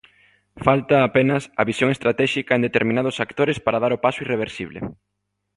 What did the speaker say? Falta, apenas, a visión estratéxica en determinados actores para dar o paso irreversible.